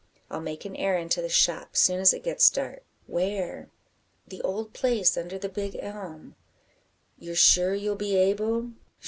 I'll make an errand to the shop, soon as it gets dark." "Where?" "The old place under the big elm." "You're sure you'll be able?"